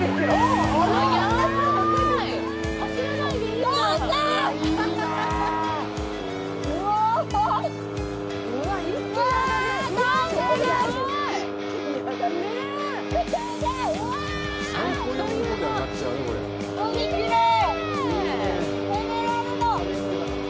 すごい。